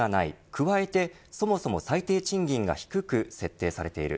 加えて、そもそも最低賃金が低く設定されている。